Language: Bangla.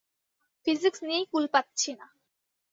ফিজিক্স নিয়েই কুল পাচ্ছি না।